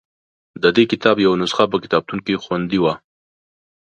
د دې کتاب یوه نسخه په کتابتون کې خوندي وه.